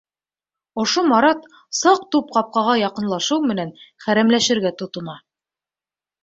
— Ошо Марат саҡ туп ҡапҡаға яҡынлашыу менән хәрәмләшергә тотона...